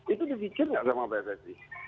itu disikir tidak sama pssi